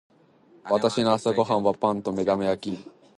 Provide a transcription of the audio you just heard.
私の朝ご飯はパンと目玉焼きだった。